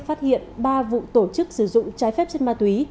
phát hiện ba vụ tổ chức sử dụng trái phép chất ma túy